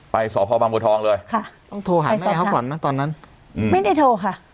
สพบางบัวทองเลยค่ะต้องโทรหาแม่เขาก่อนนะตอนนั้นอืมไม่ได้โทรค่ะ